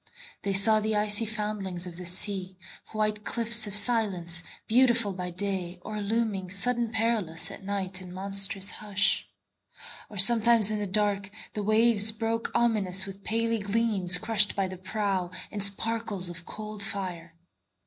They saw the icy foundlings of the sea, White cliffs of silence, beautiful by day, Or looming, sudden perilous, at nightIn monstrous hush; or sometimes in the darkThe waves broke ominous with paly gleamsCrushed by the prow in sparkles of cold fire.